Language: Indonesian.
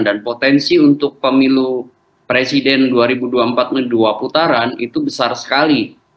dan potensi untuk pemilu presiden dua ribu dua puluh empat kedua putaran itu besar sekali